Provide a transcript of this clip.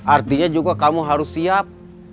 artinya juga kamu harus siap